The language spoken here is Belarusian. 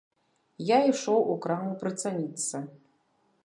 Я ішоў у краму прыцаніцца.